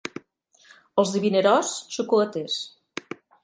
Els de Vinaròs, xocolaters.